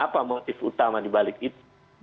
apa motif utama di balik itu